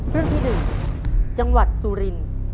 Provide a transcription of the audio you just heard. เรื่องที่๑จังหวัดสุรินทร์